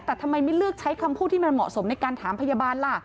แต่ทำไมไม่เลือกใช้คำพูดที่มันเหมาะสมในการถามพยาบาลล่ะ